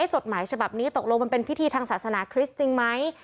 จดหมายฉบับนี้ตกลงมันเป็นพิธีทางศาสนาคริสต์จริงไหม